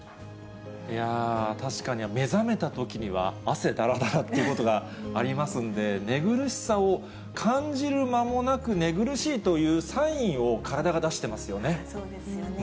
確かに目覚めたときには、汗だらだらっていうことがありますんで、寝苦しさを感じる間もなく寝苦しいというサインを体が出してますそうですよね。